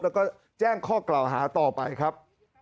แล้วก็แจ้งข้อกล่าวหาต่อไปครับ